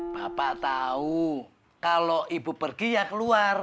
bapak tahu kalau ibu pergi ya keluar